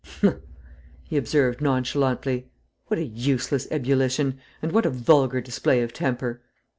"Humph!" he observed, nonchalantly. "What a useless ebullition, and what a vulgar display of temper!